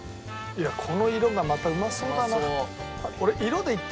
「いやこの色がまたうまそうだな」